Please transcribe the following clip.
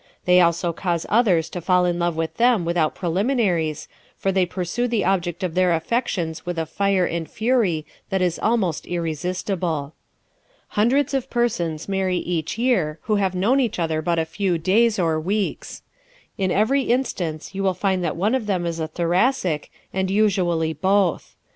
They also cause others to fall in love with them without preliminaries, for they pursue the object of their affections with a fire and fury that is almost irresistible. ¶ Hundreds of persons marry each year who have known each other but a few days or weeks. In every instance you will find that one of them is a Thoracic and usually both.